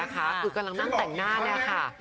คือกำลังนั่งแต่งหน้าเนี่ยค่ะ